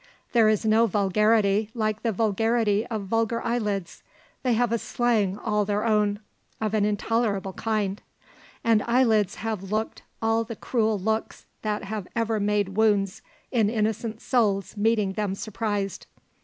There is no vulgarity like the vulgarity of vulgar eyelids. They have a slang all their own, of an intolerable kind. And eyelids have looked all the cruel looks that have ever made wounds in innocent souls meeting them surprised.